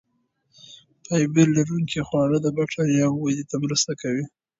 فایبر لرونکي خواړه د بکتریاوو ودې ته مرسته کوي.